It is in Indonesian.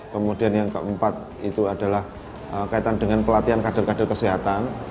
kemudian yang keempat itu adalah kaitan dengan pelatihan kader kader kesehatan